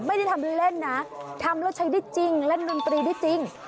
ไม่ได้ทำเล่นนะทำแล้วใช้ได้จริงเล่นดนตรีได้จริง